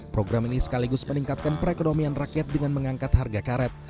program ini sekaligus meningkatkan perekonomian rakyat dengan mengangkat harga karet